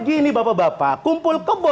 gini bapak bapak kumpul kebo